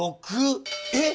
えっ！？